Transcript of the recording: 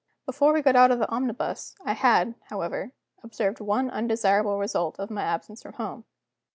Before we got out of the omnibus I had, however, observed one undesirable result of my absence from home.